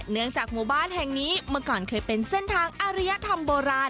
เนื่องจากหมู่บ้านแห่งนี้เมื่อก่อนเคยเป็นเส้นทางอริยธรรมโบราณ